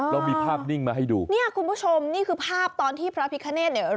เรามีภาพนิ่งมาให้ดูเนี่ยคุณผู้ชมนี่คือภาพตอนที่พระพิคเนธเนี่ย